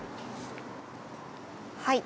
はい。